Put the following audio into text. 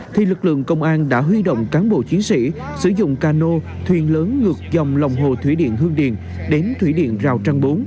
thì lực lượng công an đã huy động cán bộ chiến sĩ sử dụng cano thuyền lớn ngược dòng lòng hồ thủy điện hương điền đến thủy điện rào trăng bốn